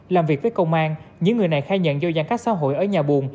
làm việc với công an những người này khai nhận do giãn cách xã hội ở nhà buồn